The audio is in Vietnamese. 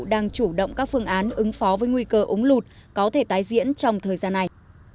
đang chủ động các phương án ứng phó với nguy cơ úng lụt có thể tái diễn trong thời gian này